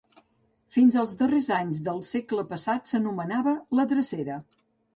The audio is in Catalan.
Fins als darrers anys del segle passat s'anomenava la Drecera.